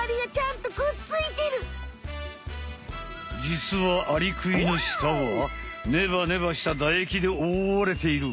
じつはアリクイの舌はネバネバしただ液でおおわれている！